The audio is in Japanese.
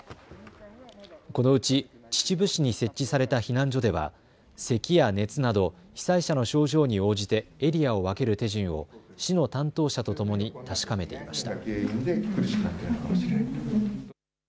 このうち秩父市に設置された避難所では、せきや熱など被災者の症状に応じてエリアを分ける手順を市の担当者とともに確かめていました。